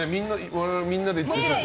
我々みんなで行って。